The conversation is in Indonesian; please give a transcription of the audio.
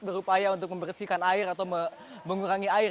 berupaya untuk membersihkan air atau mengurangi air